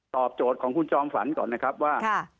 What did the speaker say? โจทย์ของคุณจอมฝันก่อนนะครับว่า